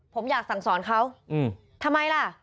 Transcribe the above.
ผมอยากสั่งสอนเขาทำไมล่ะ